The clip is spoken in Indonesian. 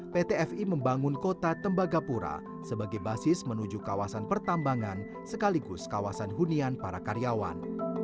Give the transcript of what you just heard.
pt fi membangun kota tembagapura sebagai basis menuju kawasan pertambangan sekaligus kawasan hunian para karyawan